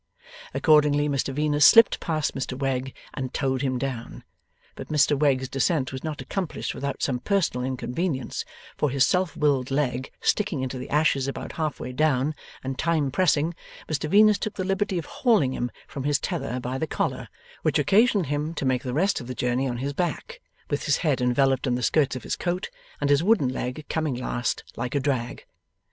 Accordingly, Mr Venus slipped past Mr Wegg and towed him down. But Mr Wegg's descent was not accomplished without some personal inconvenience, for his self willed leg sticking into the ashes about half way down, and time pressing, Mr Venus took the liberty of hauling him from his tether by the collar: which occasioned him to make the rest of the journey on his back, with his head enveloped in the skirts of his coat, and his wooden leg coming last, like a drag.